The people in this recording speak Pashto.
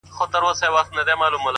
داسي يوه چا لكه سره زر تر ملا تړلى يم ـ